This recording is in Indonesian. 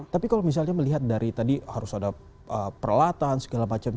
tapi kalau misalnya melihat dari tadi harus ada peralatan segala macam